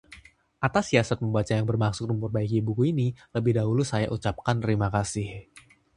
atas siasat pembaca yang bermaksud memperbaiki buku ini, lebih dahulu saya ucapkan terima kasih